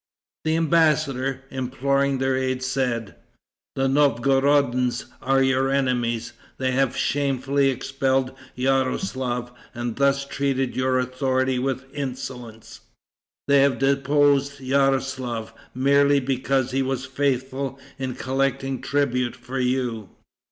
The embassador, imploring their aid, said, "The Novgorodians are your enemies. They have shamefully expelled Yaroslaf, and thus treated your authority with insolence. They have deposed Yaroslaf, merely because he was faithful in collecting tribute for you."